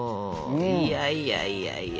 いやいやいやいや。